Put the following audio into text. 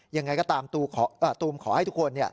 ยังไงก็ตามตูมขอให้ทุกคน